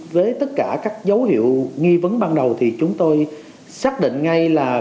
với tất cả các dấu hiệu nghi vấn ban đầu thì chúng tôi xác định ngay là